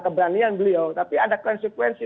keberanian beliau tapi ada konsekuensi